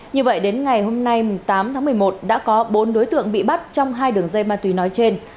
như vậy đến ngày hôm nay tám tháng một mươi một đã có bốn đối tượng bị bắt trong hai đường dây ma túy nói trên